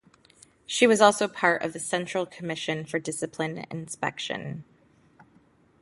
She was also part of the Central Commission for Discipline Inspection.